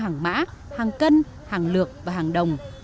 hàng mã hàng cân hàng lược và hàng đồng